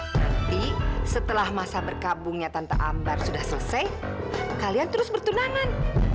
nanti setelah masa berkabungnya tante ambar sudah selesai kalian terus bertunangan